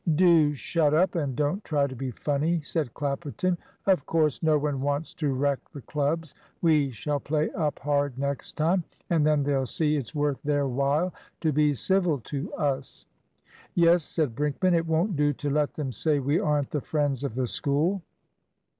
"Do shut up, and don't try to be funny," said Clapperton. "Of course no one wants to wreck the clubs. We shall play up hard next time, and then they'll see it's worth their while to be civil to us." "Yes," said Brinkman, "it won't do to let them say we aren't the friends of the School."